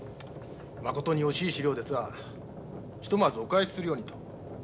「まことに惜しい資料ですがひとまずお返しするように」と。